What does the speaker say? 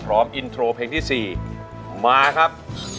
อินโทรเพลงที่๔มาครับ